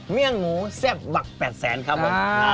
เลี่ยงหมูแซ่บบัก๘แสนครับผม